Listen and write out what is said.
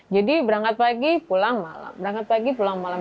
jadi berangkat pagi pulang malam